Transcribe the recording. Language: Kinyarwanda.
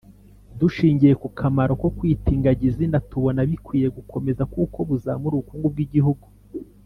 Dushingiye ku kamaro ko kwita ingagi izina tubona bikwiye gukomeza kuko bizamura ubukungu bwigihugu.